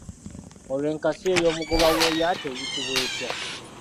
Olwo enkasi ey'omugoba w'eryato eyitibwa etya?